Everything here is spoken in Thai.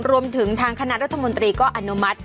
รวมถึงทางคณะรัฐมนตรีก็อนุมัติ